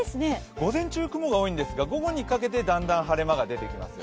午前中、雲が多いんですが午後にかけてだんだん晴れ間が出てきますよ。